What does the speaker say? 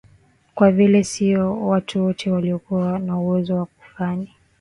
Kwa vile sio watu wote walikuwa na uwezo wa kughani